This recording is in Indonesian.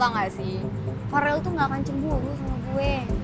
gak sih korel tuh gak akan cemburu sama gue